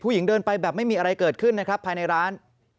เดินไปแบบไม่มีอะไรเกิดขึ้นนะครับภายในร้าน